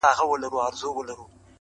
هغه ويل د هغه غره لمن کي-